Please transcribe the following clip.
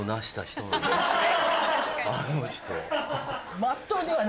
あの人。